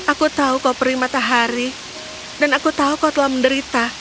aku tahu kau perih matahari dan aku tahu kau telah menderita